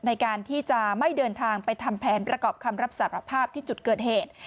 ในการที่จะไม่เดินทางไปทำแผนประกอบคำรับสารภาพที่จุดเกิดเหตุ